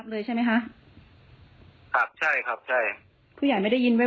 เพราะว่าแม่น้องก็ได้เยอะแล้ว